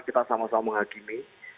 kita sama sama menghakimi